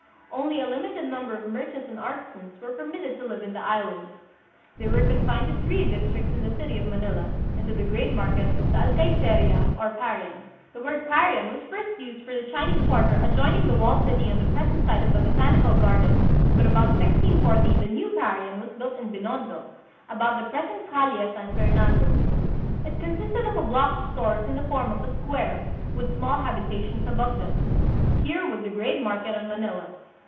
Only a limited number of merchants and artisans were permitted to live in the Is lands. They were confined to three districts in the city of Manila, and to the great market, the Alcayceria or Parian. The word " Parian " was first used for the Chinese quarter adjoining the walled city on the present site of the Botanical Garden, but about 1640 the " New Parian " was built in Binondo, about the present Calle San Fern ando. It consisted of a block of stores in the form of a square, with small habitations above them. Here was the great market of Manila.